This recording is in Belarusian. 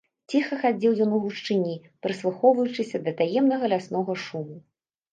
Ціха хадзіў ён у гушчыні, прыслухоўваючыся да таемнага ляснога шуму.